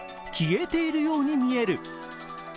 消えているように見える。